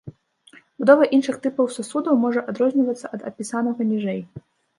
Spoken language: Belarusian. Будова іншых тыпаў сасудаў можа адрознівацца ад апісанага ніжэй.